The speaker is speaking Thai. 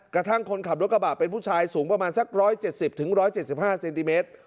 กระทั่งคนขับรถกระบาดเป็นผู้ชายสูงประมาณสักร้อยเจ็ดสิบถึงร้อยเจ็ดสิบห้าเซนติเมตร